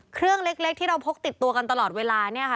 เครื่องเล็กที่เราพกติดตัวกันตลอดเวลาเนี่ยค่ะ